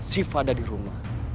siva ada di rumah